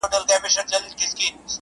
د ژوند څلورو دقيقو ته چي سجده وکړه~